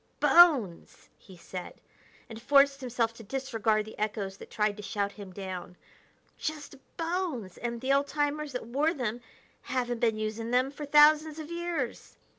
"Bones!" he said, and forced himself to disregard the echoes that tried to shout him down; "just bones! And the old timers that wore them haven't been using them for thousands of years."